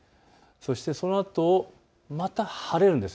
そのあと、また晴れるんです。